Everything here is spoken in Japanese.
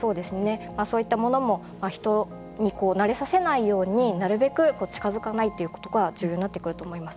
そういったものも人に慣れさせないようになるべく近づかないということが重要になってくると思います。